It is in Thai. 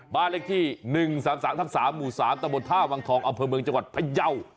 บ้านเลขที่๑๓๓ทั้ง๓หมู่๓ตะบด๕วังทองอภเมืองจังหวัดพญาว